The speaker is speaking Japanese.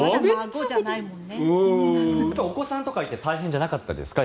お子さんとかいて大変じゃなかったですか？